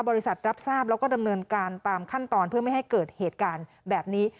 รับทราบแล้วก็ดำเนินการตามขั้นตอนเพื่อไม่ให้เกิดเหตุการณ์แบบนี้